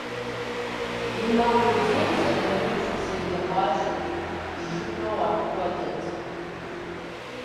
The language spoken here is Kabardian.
И макъ къудейм зэпымычу седэӀуащэрэт жыпӀэу апхуэдэт.